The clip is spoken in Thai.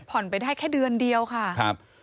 ผ่อนไปได้แค่เดือนเดียวค่ะ